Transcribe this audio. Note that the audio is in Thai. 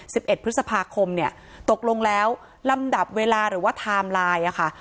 เอ็ดพฤษภาคมเนี่ยตกลงแล้วลำดับเวลาหรือว่าไทม์ไลน์อ่ะค่ะ